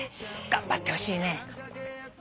頑張ってほしいね。